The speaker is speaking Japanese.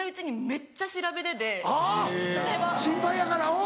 心配やからおう。